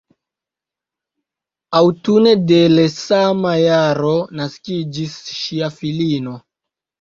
Aŭtune de le sama jaro naskiĝis ŝia filino.